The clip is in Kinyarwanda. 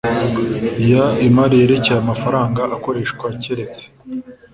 y imari yerekeye amafaranga akoreshwa keretse